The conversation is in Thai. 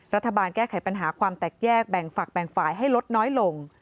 รัฐบาลแก้ไขปัญหาความแตกแยกแบ่งฝักแบ่งฝ่ายให้ลดน้อยลง